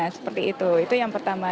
seperti itu itu yang pertama